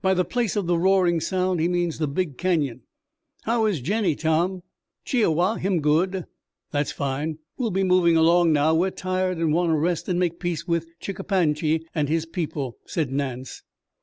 By 'the place of the roaring sound' he means the big Canyon. How is Jennie, Tom?" "Chi i wa him good." "That's fine. We'll be moving along now. We are tired and want to rest and make peace with Chick a pan gi and his people," said Nance.